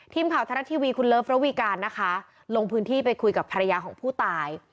ทรัฐทีวีคุณเลิฟระวีการนะคะลงพื้นที่ไปคุยกับภรรยาของผู้ตาย